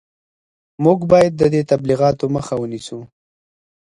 موږ باید د دې تبلیغاتو مخه ونیسو